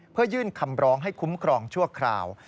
เพื่อยื่นคำร้องให้คุ้มครองชั่วคราว